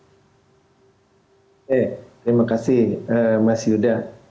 oke terima kasih mas yuda